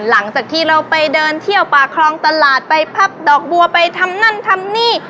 หลังจากที่เราไปเดินเที่ยวป่าครองตลาดไปพับดอกบัวไปทำนั่นทำนี่